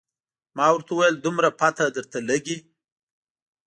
ما ورته وویل دومره پته درته لګي.